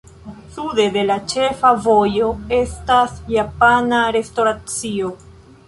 Sude de la ĉefa vojo estas japana restoracio.